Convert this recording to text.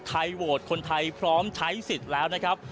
โหวตคนไทยพร้อมใช้สิทธิ์แล้วนะครับ